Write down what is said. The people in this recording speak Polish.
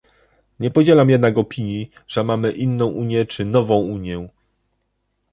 Nie podzielam jednak opinii, że mamy inną Unię czy nową Unię